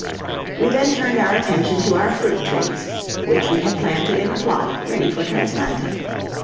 We then turned our attention to our fruit trees, which we had planted in a plot ready for transplanting.